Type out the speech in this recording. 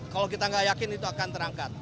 kalau kita nggak yakin itu akan terangkat